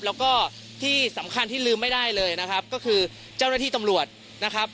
แล้วก็ที่สำคัญที่ลืมไม่ได้เลยนะครับก็คือเจ้าหน้าที่ตำรวจนะครับ